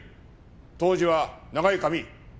当時は長い髪。